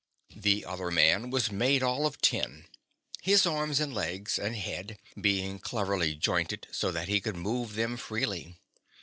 The other man was made all of tin, his arms and legs and head being cleverly jointed so that he could move them freely.